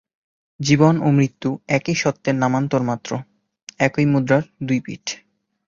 জীবন ও মৃত্যু একই সত্যের নামান্তর মাত্র, একই মুদ্রার দুই পিঠ।